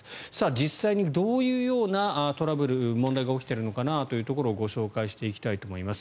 実際にどういうようなトラブル、問題が起きているのかなというところをご紹介していきたいと思います。